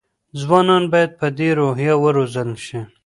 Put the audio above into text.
ځوانان باید په دې روحیه وروزل شي.